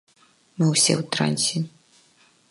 Мы ўсе ў трансе.